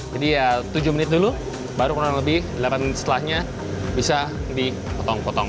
jadi ya tujuh menit dulu baru kurang lebih delapan menit setelahnya bisa dipotong potong